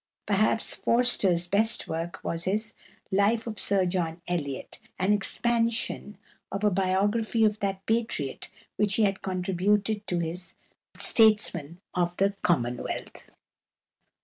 Perhaps Forster's best work was his "Life of Sir John Eliot," an expansion of a biography of that patriot which he had contributed to his "Statesmen of the Commonwealth."